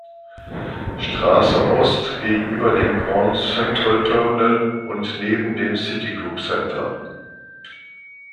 Straße Ost gegenüber dem Grand Central Terminal und neben dem Citigroup Center.